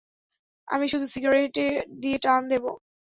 আমি শুধু সিগারেটে দিয়ে টান দেবো।